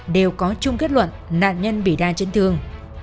đều có chung kết luận nạn nhân bị đa chấn thương